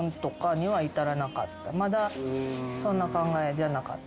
まだそんな考えではなかった？